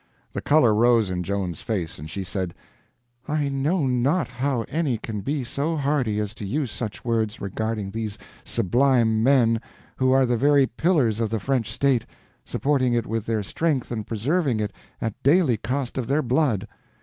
The color rose in Joan's face, and she said: "I know not how any can be so hardy as to use such words regarding these sublime men, who are the very pillars of the French state, supporting it with their strength and preserving it at daily cost of their blood.